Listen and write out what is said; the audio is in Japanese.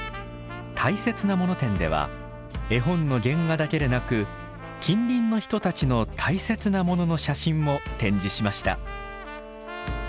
たいせつなもの展では絵本の原画だけでなく近隣の人たちのたいせつなものの写真も展示しました。